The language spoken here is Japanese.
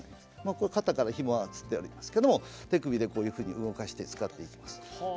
肩からひもがつっておりますけれども手首で動かして使っていきます。